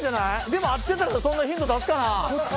でも合ってたらそんなヒント出すかな？